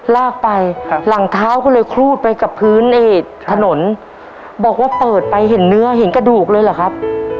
ลากไปหลังเท้าก็เลยครูดไปกับพื้นไอ้ถนนบอกว่าเปิดไปเห็นเนื้อเห็นกระดูกเลยเหรอครับ